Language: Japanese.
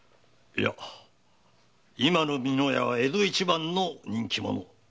いや今の美乃屋は江戸一番の人気者。